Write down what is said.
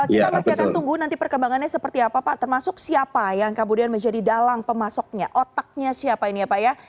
kita masih akan tunggu nanti perkembangannya seperti apa pak termasuk siapa yang kemudian menjadi dalang pemasoknya otaknya siapa ini ya pak ya